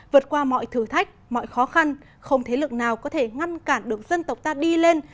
vượt qua mọi thử thách mọi khó khăn không thế lực nào có thể ngăn cản được dân tộc ta đi lên